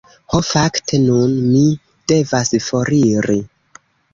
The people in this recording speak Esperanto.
Ho fakte, nun mi devas foriri.